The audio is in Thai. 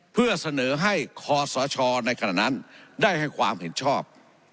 เพื่อเสนอให้คอสชในขณะนั้นได้ให้ความเห็นชอบ